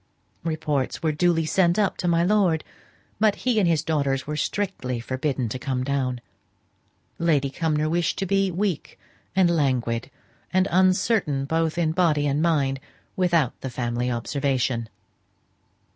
Reports were duly sent up to my lord, but he and his daughters were strictly forbidden to come down. Lady Cumnor wished to be weak and languid, and uncertain both in body and mind, without family observation.